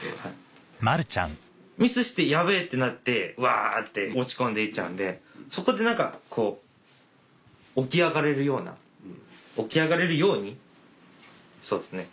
ミスしてヤベェってなってわって落ち込んで行っちゃうんでそこで何かこう起き上がれるような起き上がれるようにそうですね。